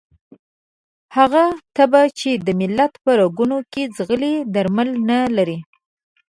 هغه تبه چې د ملت په رګونو کې ځغلي درمل نه لري.